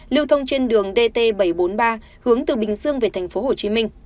lưu thông trên đường dt bảy trăm bốn mươi ba hướng từ bình dương về thành phố hồ chí minh